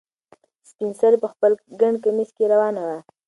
سپین سرې په خپل ګڼ کمیس کې روانه وه.